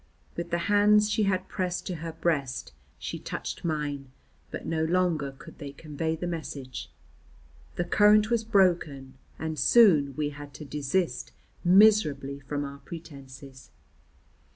With the hands she had pressed to her breast she touched mine, but no longer could they convey the message. The current was broken, and soon we had to desist miserably from our pretences.